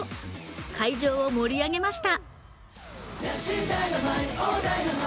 会場を盛り上げました。